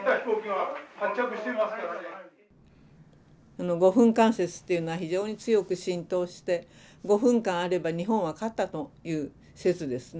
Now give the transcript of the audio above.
あの５分間説というのは非常に強く浸透して５分間あれば日本は勝ったという説ですね。